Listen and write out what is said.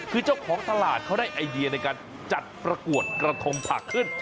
คือเจ้าของตลาดเขาได้ไอเดียในการจัดประกวดกระทงผักขึ้น